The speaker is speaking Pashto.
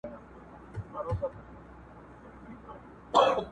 زر کلونه څه مستی څه خمار یووړل.!